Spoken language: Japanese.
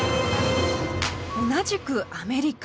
同じくアメリカ